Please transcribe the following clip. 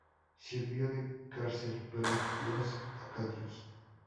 Sirvió de cárcel para los Acadios.